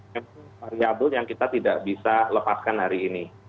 itu variabel yang kita tidak bisa lepaskan hari ini